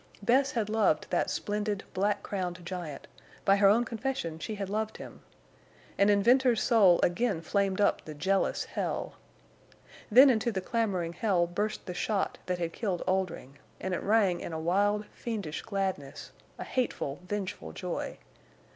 Bess had loved that splendid, black crowned giant—by her own confession she had loved him; and in Venters's soul again flamed up the jealous hell. Then into the clamoring hell burst the shot that had killed Oldring, and it rang in a wild fiendish gladness, a hateful, vengeful joy.